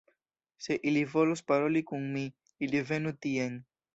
Se ili volos paroli kun mi, ili venu tien.